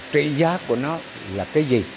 trị giá của nó là cái gì